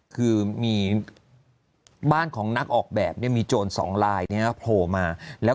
คือมีบ้านของนักออกแบบเนี่ยมีโจรสองลายเนี่ยนะโผล่มาแล้ว